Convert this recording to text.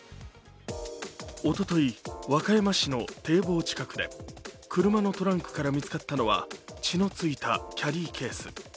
おととい、和歌山市の堤防近くで車のトランクから見つかったのは、血の付いたキャリーケース。